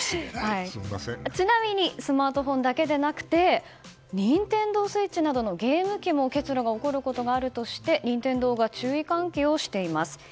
ちなみにスマートフォンだけではなくてＮｉｎｔｅｎｄｏＳｗｉｔｃｈなどのゲーム機も結露が起こることがあるとして任天堂が注意喚起しています。